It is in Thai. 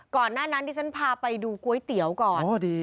ก่อนหน้านั้นดิฉันพาไปดูก๋วยเตี๋ยวก่อน